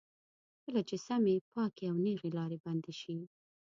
کله چې سمې، پاکې او نېغې لارې بندې شي.